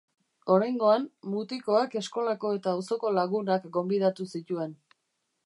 Oraingoan, mutikoak eskolako eta auzoko lagunak gonbidatu zituen.